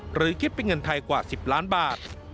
หรือคิดเป็นเงินไทยกว่า๑๐ล้านบาท